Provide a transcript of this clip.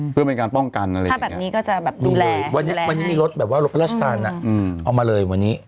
เพื่อเป็นการป้องกันอะไรอย่างนี้